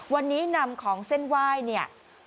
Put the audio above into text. วันนี้นำของเส้นไหว้เนี่ย